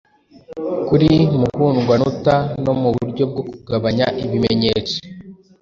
kuri muhundwanota no mu buryo bwo kugabanya ibimenyetso